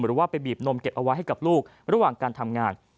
หรือว่าไปบีบนมเก็บเอาไว้ให้กับลูกระหว่างการทำงาน